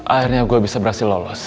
akhirnya gue bisa berhasil lolos